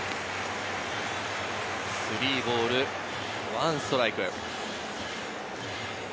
３ボール１ストライク。